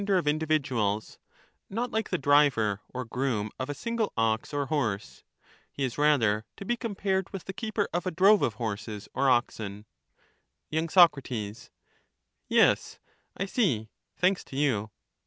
of creatures like the driver or groom of a single ox or horse; he is united in rather to be compared with the keeper of a drove of horses ^ocks. or oxen. Y. Sac. Yes, I see, thanks to you.